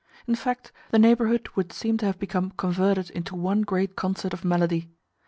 In fact, the neighbourhood would seem to have become converted into one great concert of melody.